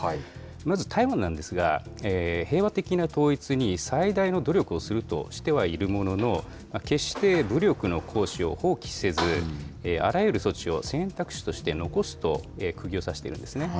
まず台湾なんですが、平和的な統一に最大の努力をするとはしてはいるものの、決して武力の行使を放棄せず、あらゆる措置を選択肢として残すとくぎを刺しているんですね。